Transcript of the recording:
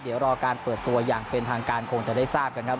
เดี๋ยวรอการเปิดตัวอย่างเป็นทางการคงจะได้ทราบกันครับ